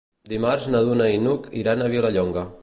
Dimarts na Duna i n'Hug iran a Vilallonga.